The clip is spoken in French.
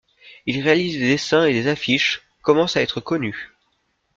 Il réalise des dessins et des affiches, commence à être connu.